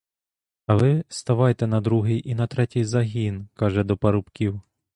А ви ставайте на другий і на третій загін, — каже до парубків.